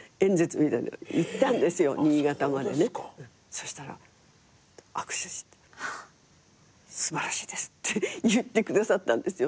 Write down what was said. そしたら握手して「素晴らしいです」って言ってくださったんですよ